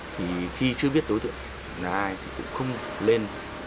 thì khi chưa biết đối tượng là ai cũng không lên